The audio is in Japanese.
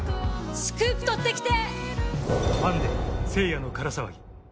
スクープとってきて！